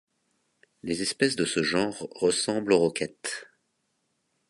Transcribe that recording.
Les espèces de ce genre ressemblent aux roquettes.